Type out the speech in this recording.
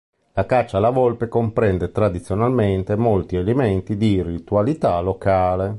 La caccia alla volpe comprende tradizionalmente molti elementi di ritualità locale.